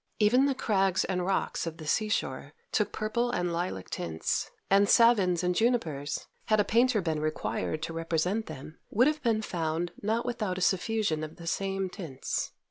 Even the crags and rocks of the sea shore took purple and lilac tints, and savins and junipers, had a painter been required to represent them, would have been found not without a suffusion of the same tints.